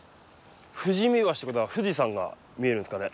ふじみばしってことは富士山が見えるんですかね？